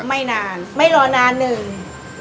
ไม่นานไม่รอนานหนึ่ง